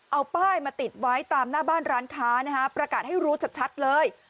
เอาป้ายมาติดไว้ตามหน้าบ้านร้านค้านะฮะประกาศให้รู้ชัดเลย